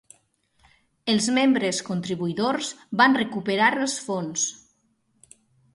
Els membres contribuïdors van recuperar els fons.